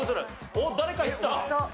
おっ誰かいった。